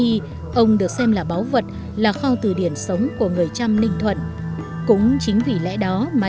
khi ông được xem là báu vật là kho từ điển sống của người trăm ninh thuận cũng chính vì lẽ đó mà